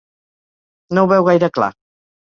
No ho veu gaire clar.